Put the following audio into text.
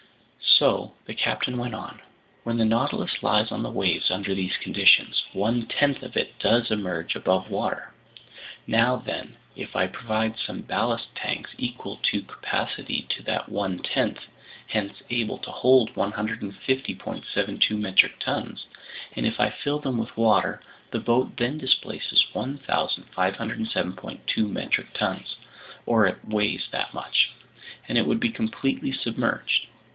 "So," the captain went on, "when the Nautilus lies on the waves under these conditions, one tenth of it does emerge above water. Now then, if I provide some ballast tanks equal in capacity to that one tenth, hence able to hold 150.72 metric tons, and if I fill them with water, the boat then displaces 1,507.2 metric tons—or it weighs that much—and it would be completely submerged.